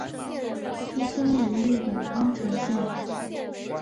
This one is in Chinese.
出生于日本宫城县。